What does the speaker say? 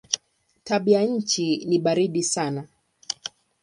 Tabianchi ni baridi sana.